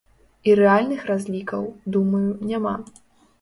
І рэальных разлікаў, думаю, няма.